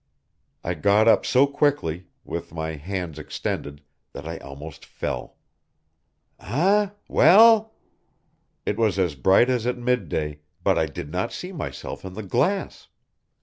I got up so quickly, with my hands extended, that I almost fell. Eh! well?... It was as bright as at midday, but I did not see myself in the glass!...